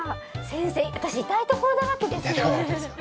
先生、私痛いところだらけですよ。